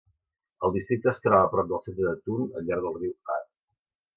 El districte és troba a prop del centre de Thun al llarg del riu Aar.